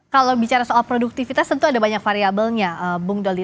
kalau bicara soal produktivitas tentu ada banyak variabelnya bung doli